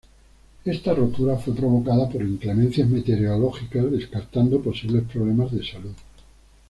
Esta rotura fue provocada por inclemencias meteorológicas, descartando posibles problemas de salud.